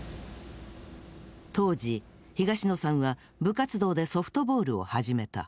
当時東野さんは部活動でソフトボールを始めた。